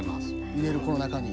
入れるこの中に。